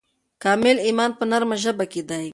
کامل ایمان په نرمه ژبه کې دی.